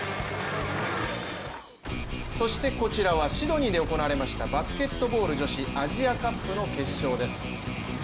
そしてこちらはシドニーで行われましたバスケットボール女子アジアカップの決勝です。